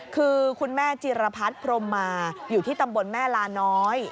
คือคุณแม่จิรพัฒน์พรมมาอยู่ที่ตำบลแม่ลาน้อย